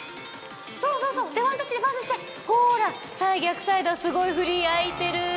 そうそうそう、ワンタッチでパスして、ほら、逆サイドはすごいフリー空いてるー。